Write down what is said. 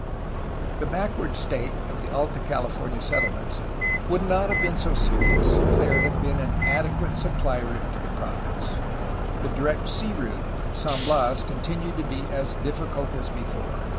The backward state of the Alta California settlements would not have been so serious if there had been an adequate supply route to the province. The direct sea route from San Bias continued to be as difficult as before.